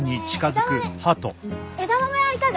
枝豆はいかが？